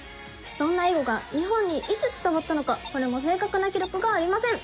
そんな囲碁が日本にいつ伝わったのかこれも正確な記録がありません。